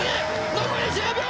残り１０秒！